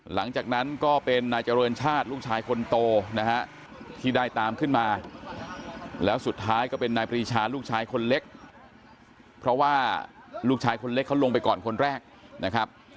หลังจากนั้นก็เป็นนายเจริญชาติลูกชายคนโตนะฮะที่ได้ตามขึ้นมาแล้วสุดท้ายก็เป็นนายปรีชาลูกชายคนเล็กเพราะว่าลูกชายคนเล็กเขาลงไปก่อนคนแรกนะครับ